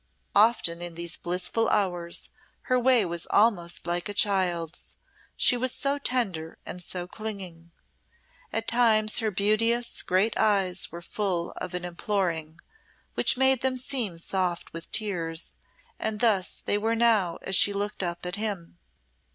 Often in these blissful hours her way was almost like a child's, she was so tender and so clinging. At times her beauteous, great eyes were full of an imploring which made them seem soft with tears, and thus they were now as she looked up at him.